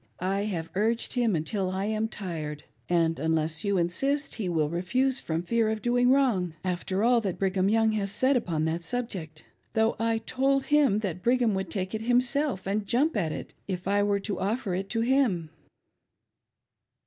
I have urged him until I am tired, and unless you insist he will refuse from fear of doing wrong, after all that Brigham Young has said upon that sub ject; though I told him that Brigham would take it himself and jump at it, if I were to offer it Jo him."